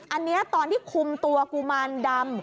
อันนี้ตอนที่คุมตัวกุมารดำ